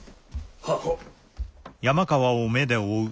はっ。